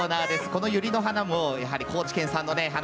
このユリの花もやはり、高知県産の花。